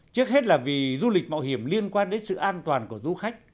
trước hết là vì du lịch mạo hiểm liên quan đến sự an toàn của du khách